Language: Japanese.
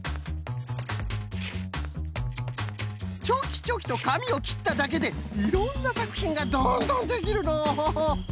ちょきちょきとかみをきっただけでいろんなさくひんがどんどんできるのう！